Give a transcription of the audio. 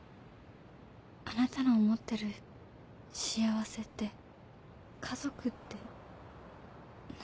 あなたの思ってる幸せって家族って何？